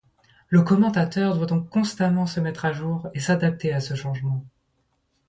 Le commentateur doit donc constamment se mettre à jour et s'adapter à ce changement.